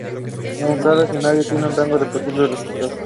Cada escenario tiene un rango de posibles resultados asociados a ella.